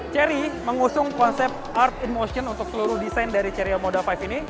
chery mengusung konsep art in motion untuk seluruh desain dari chery omoda lima ini